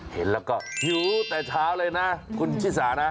เห็นแล้วก็หิวแต่เช้าเลยนะคุณชิสานะ